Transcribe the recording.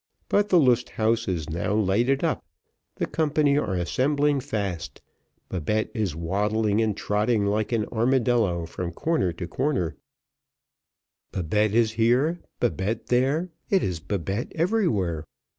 But the Lust Haus is now lighted up, the company are assembling fast; Babette is waddling and trotting like an armadillo from corner to corner: Babette here, and Babette there, it is Babette everywhere.